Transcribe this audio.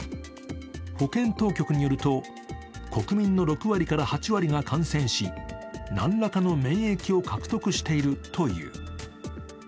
保健当局によると国民の６割から８割が感染し何らかの免疫を獲得しているという。